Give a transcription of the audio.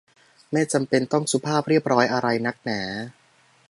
ไม่จำเป็นต้องสุภาพเรียบร้อยอะไรนักหนา